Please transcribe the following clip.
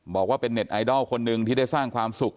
บอกว่าเป็นเน็ตไอดอลคนหนึ่งที่ได้สร้างความสุข